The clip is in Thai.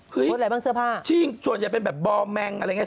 อะไรบ้างเสื้อผ้าจริงส่วนใหญ่เป็นแบบบอร์แมงอะไรอย่างเง